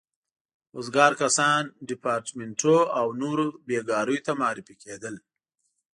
وزګار کسان ریپارټیمنټو او نورو بېګاریو ته معرفي کېدل.